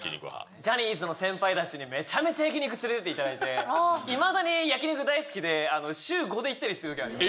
ジャニーズの先輩たちに、めちゃめちゃ焼き肉連れてっていただいて、いまだに焼き肉大好きで、週５で行ったりするときあります。